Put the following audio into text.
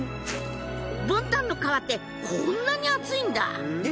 ボンタンの皮ってこんなに厚いんだ！